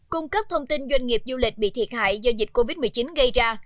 cung cấp thông tin doanh nghiệp du lịch bị thiệt hại do dịch covid một mươi chín gây ra